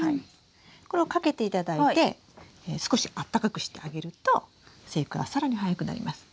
これをかけていただいて少しあったかくしてあげると生育は更に早くなります。